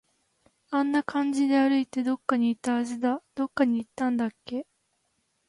あんな感じで歩いて、どこかに行ったはずだ。どこに行ったんだっけ